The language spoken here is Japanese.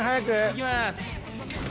行きます。